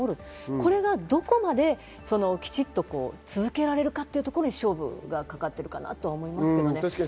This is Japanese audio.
これがどこまできちっと続けられるかっていうところが勝負がかかってるなと思います。